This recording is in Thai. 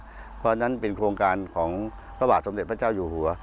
เพราะฉะนั้นเป็นโครงการของพระบาทสมเด็จพระเจ้าอยู่หัว